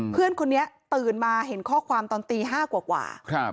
เพื่อนคนนี้ตื่นมาเห็นข้อความตอนตี๕กว่า